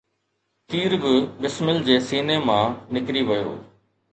تير به بسمل جي سيني مان نڪري ويو